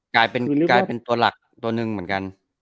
กลายเป็นตัวหลักตัวหนึ่งเหมือนกัน